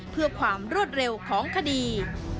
เพื่อความรวดเร็วของคดี